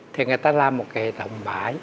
thì người ta làm một cái tầm bãi